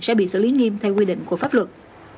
sẽ bị xử lý nghiêm theo quy định của pháp luật